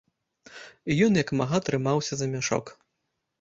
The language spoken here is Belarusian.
І ён як мага трымаўся за мяшок.